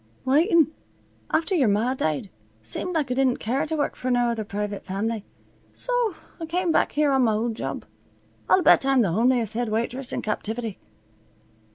"Waitin'. After yer ma died, seemed like I didn't care t' work fer no other privit fam'ly, so I came back here on my old job. I'll bet I'm the homeliest head waitress in captivity."